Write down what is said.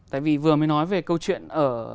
tại vì vừa mới nói về câu chuyện ở